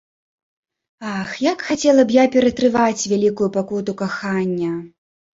Ах, як хацела б я ператрываць вялікую пакуту кахання!